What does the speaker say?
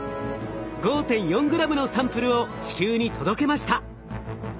５．４ｇのサンプルを地球に届けました。